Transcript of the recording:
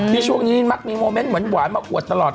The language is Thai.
ที่ช่วงนี้มักมีโมเมนต์เหมือนหวานมากวดตลอด